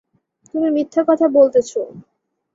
তুমি মিথ্যা কথা বলতেছো।